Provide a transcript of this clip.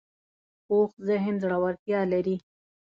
پوخ ذهن زړورتیا لري